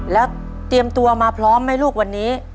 แล้วเตรียมตัวมาพร้อมไหมลูกวันนี้